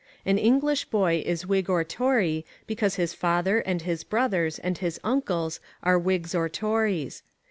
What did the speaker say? An English boy is Whig or Tory because his father, and his brothers, and his uncles are Whigs or Tories.